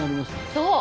そう！